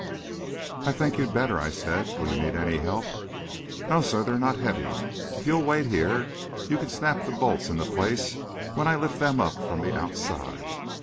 "I think you'd better," I said. "Will you need any help?" "No, sir; they're not heavy. If you'll wait here, you can snap the bolts into place when I lift them up from the outside."